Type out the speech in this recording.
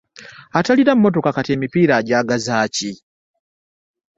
Atalina mmotoka kati emipiira ogyagaza ki?